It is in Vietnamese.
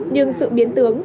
nhưng sự biến tượng